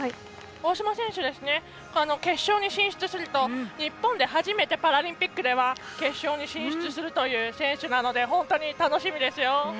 大島選手、決勝に進出すると、日本で初めてパラリンピックでは決勝に進出するという選手なので本当に楽しみですよ。